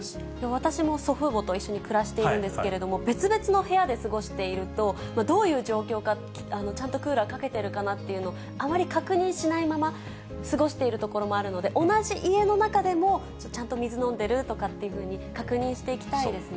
私も祖父母と一緒に暮らしているんですけれども、別々の部屋で過ごしていると、どういう状況か、ちゃんとクーラーかけてるかなっていうのを、あまり確認しないまま過ごしているところもあるので、同じ家の中でも、ちゃんと水飲んでる？とかっていうふうに確認していきたいですね。